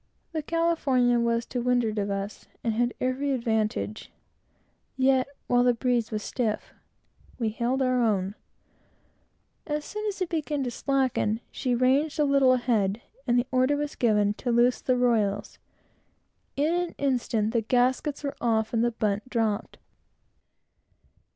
The California was to windward of us, and had every advantage; yet, while the breeze was stiff, we held our own. As soon as it began to slacken, she ranged a little ahead, and the order was given to loose the royals. In an instant the gaskets were off and the bunt dropped.